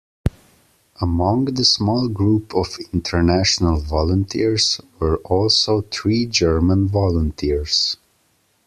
Among the small group of international volunteers were also three German volunteers.